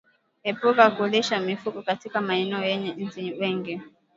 Epuka kulishia mifugo katika maeneo yenye inzi wengi